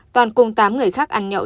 toàn cùng tám người khác ăn nhậu